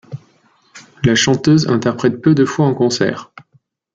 La chanteuse interprète peu de fois en concert.